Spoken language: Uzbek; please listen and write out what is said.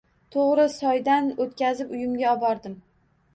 To‘g‘ri soydan o‘tkazib, uyimga obordim.